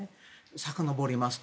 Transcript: さかのぼりますと。